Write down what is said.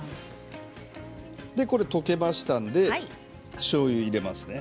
これで溶けましたのでしょうゆを入れますね。